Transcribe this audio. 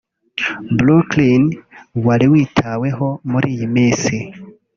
Brooklyn wari witaweho muri iyi minsi